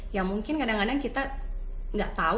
yang mungkin kadang kadang kita tidak tahu